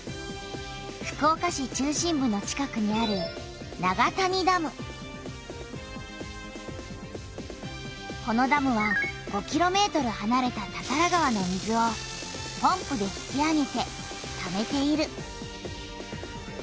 福岡市中心部の近くにあるこのダムは５キロメートルはなれた多々良川の水をポンプで引き上げてためている。